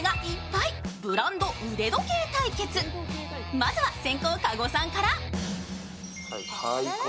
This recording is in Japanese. まずは先攻、加護さんから。